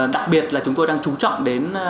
đặc biệt là chúng tôi đang chú trọng đến